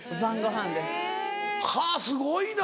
はぁすごいな。